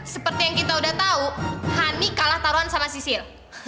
seperti yang kita udah tau honey kalah taruhan sama sisil